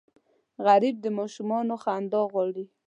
غریب د ماشومانو خندا غواړي